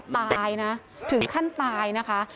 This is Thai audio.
ตายนะถึงขั้นตายนะคะ